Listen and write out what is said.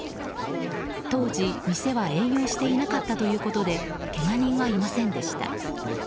当時、店は営業していなかったということでけが人はいませんでした。